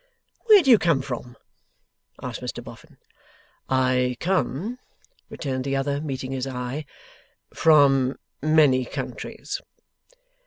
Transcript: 'Where do you come from?' asked Mr Boffin. 'I come,' returned the other, meeting his eye, 'from many countries.